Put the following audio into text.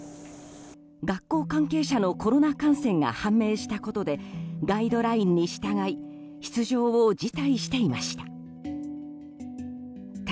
学校関係者のコロナ感染が判明したことでガイドラインに従い出場を辞退していました。